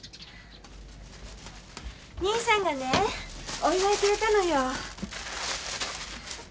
兄さんがねお祝いくれたのよ。